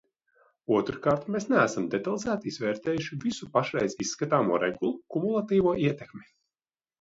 Otrkārt, mēs neesam detalizēti izvērtējuši visu pašreiz izskatāmo regulu kumulatīvo ietekmi.